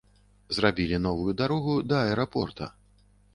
Зрабілі новую дарогу да аэрапорта.